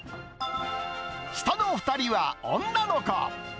下の２人は女の子。